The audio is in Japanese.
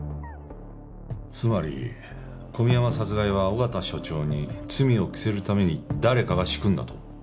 つまり小宮山殺害は緒方署長に罪を着せるために誰かが仕組んだと？